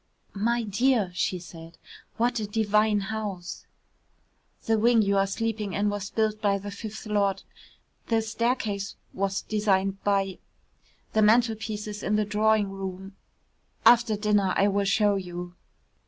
"My dear," she said, "what a divine house." "The wing you are sleeping in was built by the fifth Lord.... "The staircase was designed by.... "The mantelpieces in the drawing room.... "After dinner I will show you...."